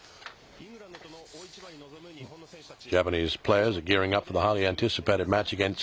イングランドとの大一番に臨む日本の選手たち。